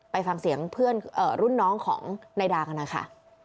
ไปฟังเสียงเพื่อนรุ่นน้องของนายดากันหน่อยค่ะ